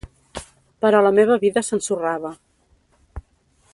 Però la meva vida s'ensorrava.